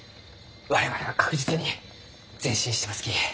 我々は確実に前進してますき。